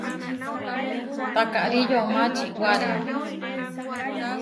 Taakári yomá čiwáre.